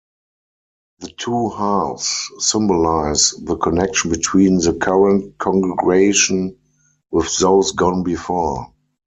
The two halves symbolise the connection between the current congregation with those gone before.